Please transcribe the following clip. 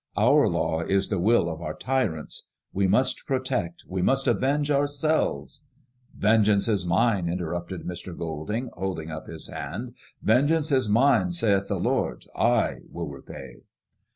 Our law is the will of our tyrants. We must protect, we must avenge ourselves " "Vengeance is Mine," inter rupted Mr. Golding, holding up his hand — ''Vengeance is Mine, saith the Lord ; I will repay."